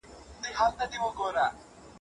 هغه ګلِسېب دسمال په خپلو ګوتو غوټه کړه